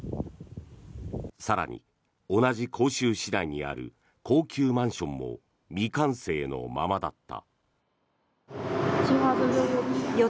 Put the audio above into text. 更に、同じ広州市内にある高級マンションも未完成のままだった。